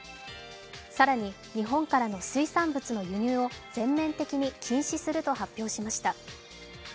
更に、日本からの水産物の輸入を全面的に禁止すると発表しました。